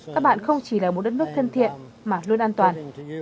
các bạn không chỉ là một đất nước thân thiện mà luôn an toàn